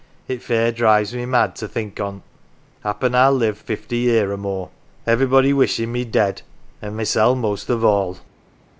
It fair drives me mad to think on't. Happen I'll live fifty year more. Everybody wishing me dead an' mysel' most of all."